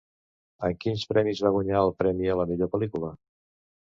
En quins premis va guanyar el premi a la millor pel·lícula?